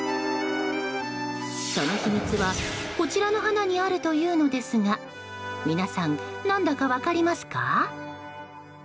その秘密はこちらの花にあるというのですが皆さん、何だか分かりますか？